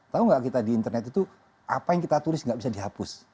tahu gak kita di internet itu apa yang kita tulis gak bisa di hapus